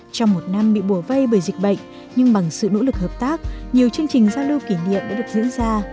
trong một năm bị bổ vây bởi dịch bệnh nhưng bằng sự nỗ lực hợp tác nhiều chương trình giao lưu kỷ niệm đã được diễn ra